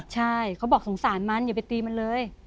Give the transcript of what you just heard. ใช่เขาบอกสงสารมันอย่าไปตีมันเลย